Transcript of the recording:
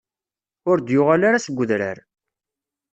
Ur d-yuɣal ara seg udrar.